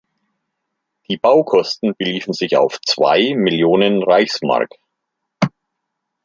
Die Baukosten beliefen sich auf zwei Millionen Reichsmark.